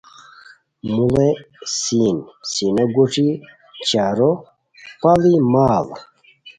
موڑی سین سینو گوݯی چارو پاڑی ماڑ